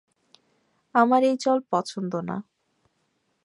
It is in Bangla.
আমার এই জল পছন্দ না।